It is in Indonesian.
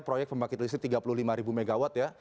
proyek pembangkit listrik tiga puluh lima ribu megawatt ya